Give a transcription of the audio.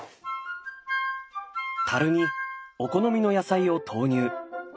にお好みの野菜を投入。